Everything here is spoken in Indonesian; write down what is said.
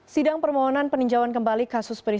sidang permohonan peninjauan kembali kasus perizinan